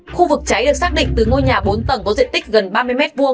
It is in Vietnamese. khu vực cháy được xác định từ ngôi nhà bốn tầng có diện tích gần ba mươi m hai